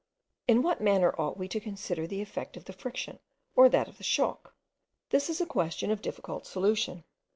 In what manner ought we to consider the effect of the friction, or that of the shock? This is a question of difficult solution.